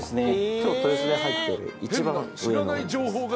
今日豊洲で入ってる一番上の。